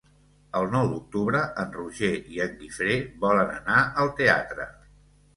El nou d'octubre en Roger i en Guifré volen anar al teatre.